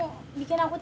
ayah dengerin gua dulu